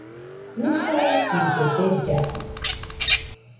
Nɨga raifide bellafu.